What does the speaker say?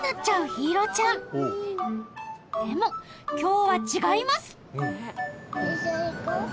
陽彩ちゃんでも今日は違います